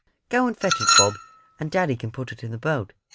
Go and fetch it, Bob, and daddy can put it in the boat.